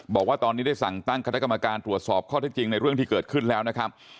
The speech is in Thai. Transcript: บอกว่าตอนนี้ได้สั่งตั้งคณะกรรมการตรวจสอบข้อที่จริงในเรื่องที่เกิดขึ้นแล้วนะครับ